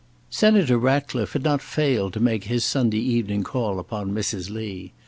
Senator Ratcliffe had not failed to make his Sunday evening call upon Mrs. Lee.